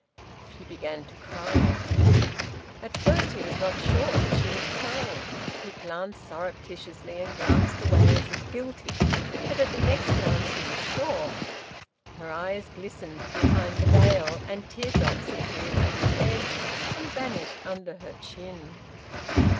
She began to cry. At first he was not sure that she was crying. He glanced surreptitiously, and glanced away as if guilty. But at the next glance he was sure. Her eyes glistened behind the veil, and tear drops appeared at its edge and vanished under her chin.